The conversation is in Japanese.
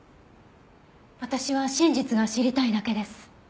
私は真実が知りたいだけです。